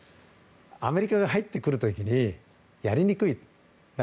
アメリカが入ってくる時にやりにくいと。